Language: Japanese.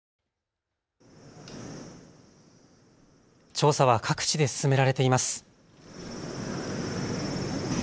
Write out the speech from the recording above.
調査は各地で進められています。